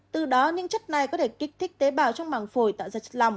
từ đó những chất này có thể kích thích tế bào trong mảng phổi tạo ra chất lòng